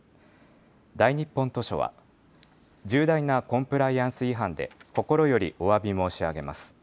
大日本図書は重大なコンプライアンス違反で心よりおわび申し上げます。